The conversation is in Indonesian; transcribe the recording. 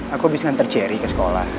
aku abis ngantar cherry ke sekolah